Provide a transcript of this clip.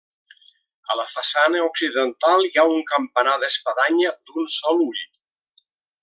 A la façana occidental hi ha un campanar d'espadanya d'un sol ull.